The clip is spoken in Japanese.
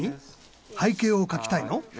背景を描きたいの？